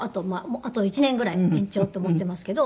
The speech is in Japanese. あと１年ぐらい延長と思っていますけど。